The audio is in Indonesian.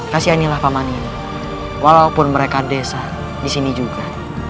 kasihanilah paman ini walaupun mereka desa disini juga